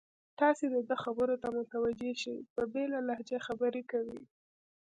تاسې د ده خبرو ته متوجه شئ، په بېله لهجه خبرې کوي.